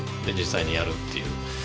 で実際にやるっていう。